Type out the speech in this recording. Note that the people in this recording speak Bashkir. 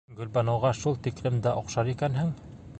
Гөлбаныуға шул тиклем дә оҡшар икәнһең!